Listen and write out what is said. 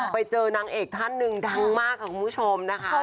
ไปเจอนางเอกท่านหนึ่งดังมากค่ะคุณผู้ชมนะคะ